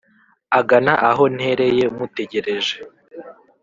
agana aho ntereye mutegereje